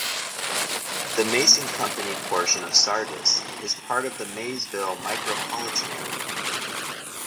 The Mason Company portion of Sardis is part of the Maysville micropolitan area.